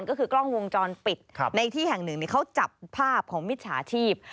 ก็คือกล้องวงจรปิดในที่แห่งหนึ่งเขาจับภาพของมิจฉาชีพ